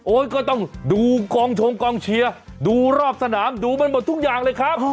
ก็ต้องดูกองชงกองเชียร์ดูรอบสนามดูมันหมดทุกอย่างเลยครับ